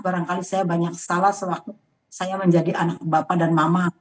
barangkali saya banyak salah sewaktu saya menjadi anak bapak dan mama